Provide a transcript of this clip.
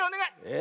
え？